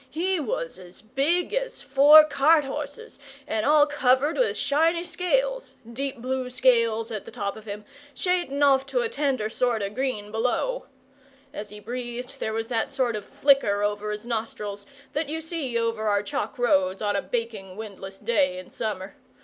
He was as big as four cart horses, and all covered with shiny scales deep blue scales at the top of him, shading off to a tender sort o' green below. As he breathed, there was that sort of flicker over his nostrils that you see over our chalk roads on a baking windless day in summer.